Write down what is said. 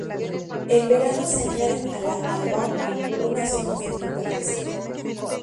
En verano se añaden a la albahaca unas hojas de menta fresca.